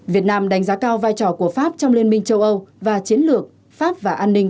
việt nam đánh giá cao vai trò của pháp trong liên minh châu âu và chiến lược pháp và an ninh